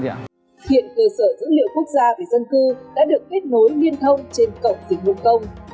hiện cơ sở dữ liệu quốc gia về dân cư đã được kết nối liên thông trên cổng dịch vụ công